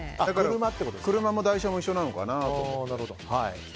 車も台車も一緒なのかなと思って。